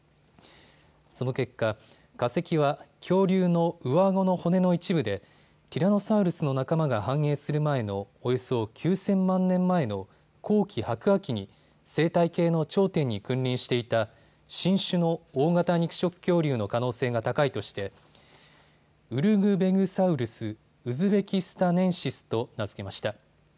その結果、化石は恐竜の上あごの骨の一部でティラノサウルスの仲間が繁栄する前のおよそ９０００万年前の後期白亜紀に生態系の頂点に君臨していた新種の大型肉食恐竜の可能性が高いとしてウルグベグサウルス・ウズベキスタネンシスと名付けました。